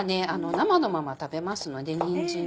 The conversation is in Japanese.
生のまま食べますのでにんじんも。